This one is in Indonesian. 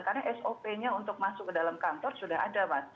karena sop nya untuk masuk ke dalam kantor sudah ada mas